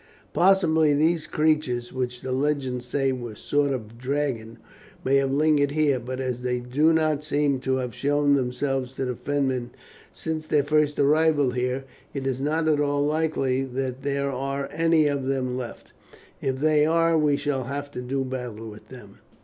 Possibly these creatures, which the legends say were a sort of Dragon, may have lingered here, but as they do not seem to have shown themselves to the Fenmen since their first arrival here, it is not at all likely that there are any of them left; if there are we shall have to do battle with them."